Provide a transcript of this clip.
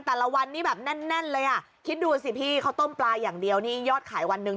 แต่ละวันนี้แบบแน่นเลยอ่ะคิดดูสิพี่เขาต้มปลาอย่างเดียวนี่ยอดขายวันหนึ่ง